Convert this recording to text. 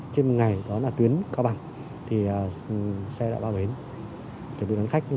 trên một ngày đó là tuyến cao bằng thì xe đã vào bến để buýt hành khách